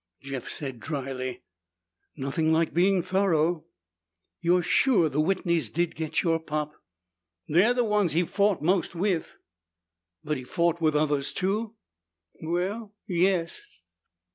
Jeff said drily, "Nothing like being thorough. You're sure the Whitneys did get your pop?" "They're the ones he fought most with." "But he fought with others too?" "Well, yes."